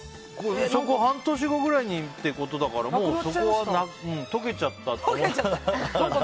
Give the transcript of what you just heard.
半年後ぐらいにってことだからもうそこは溶けちゃったって思ってたから。